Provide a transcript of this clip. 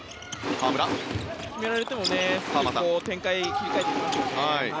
決められてもすぐ展開を切り替えていきますよね。